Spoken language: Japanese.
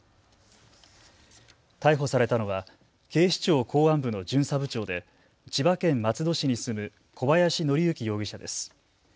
逮捕されたのは警視庁公安部の巡査部長で千葉県松戸市に住む小林徳之容疑者です。